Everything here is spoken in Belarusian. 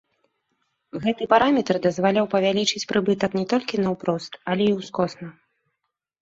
Гэты параметр дазваляў павялічыць прыбытак не толькі наўпрост, але і ўскосна.